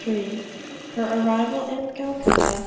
HER ARRIVAL AT CALCUTTA.